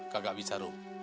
gak bisa ruh